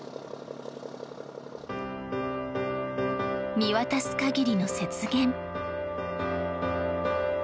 見渡す限りの雪原。